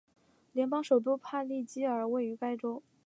联邦首都帕利基尔位于该州。